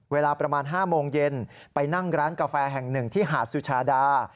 เวลาประมาณ๕โมงเย็นไปนั่งร้านกาแฟแห่งหนึ่งที่หาดสุชาดา